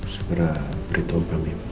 segera beritahu kami